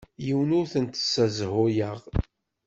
Yiwen ur t-ssezhuyeɣ.